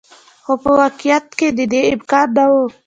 خو په واقعیت کې د دې امکان نه و.